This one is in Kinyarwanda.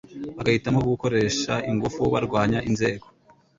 bagahitamo gukoresha ingufu barwanya inzego